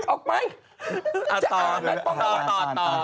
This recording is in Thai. ออกไปจะอ่านต่อ